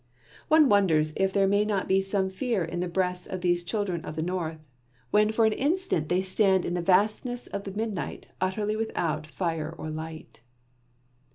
One wonders if there may not be some fear in the breasts of these Children of the North, when for an instant they stand in the vastness of the midnight, utterly without fire or light.